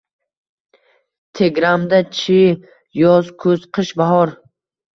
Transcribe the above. Tegramda-chi: yoz, kuz, qish, bahor…